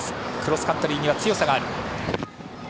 クロスカントリーには強さがある。